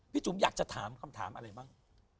จุ๋มอยากจะถามคำถามอะไรบ้าง